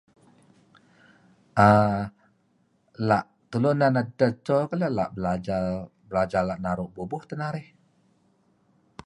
Ah la' tulu inan edteh edto pun ela' belajar la' ela' belajar naru' bubuh teh narih.